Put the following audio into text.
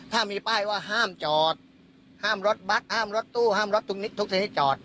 ถ้ามีป้ายว่าห้ามจอดห้ามรถบัตรห้ามรถตู้ห้ามรถทุกชนิดจอด